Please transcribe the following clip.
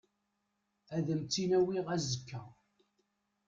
Ad am-tt-in-awiɣ azekka.